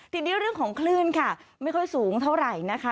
ทีนี้เรื่องของคลื่นค่ะไม่ค่อยสูงเท่าไหร่นะคะ